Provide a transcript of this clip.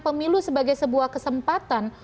pemilu sebagai sebuah kesempatan